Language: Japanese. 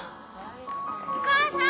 お母さん！